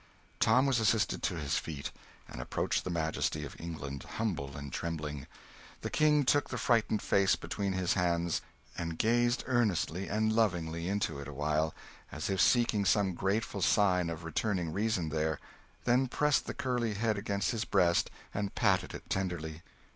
Tom was assisted to his feet, and approached the Majesty of England, humble and trembling. The King took the frightened face between his hands, and gazed earnestly and lovingly into it awhile, as if seeking some grateful sign of returning reason there, then pressed the curly head against his breast, and patted it tenderly.